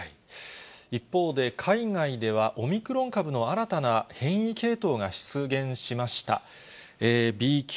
一方で、海外ではオミクロン株の新たな変異系統が出現しました。